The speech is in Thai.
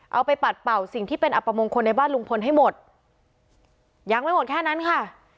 ไปปัดเป่าสิ่งที่เป็นอัปมงคลในบ้านลุงพลให้หมดยังไม่หมดแค่นั้นค่ะ